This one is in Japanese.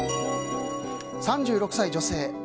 ３６歳女性。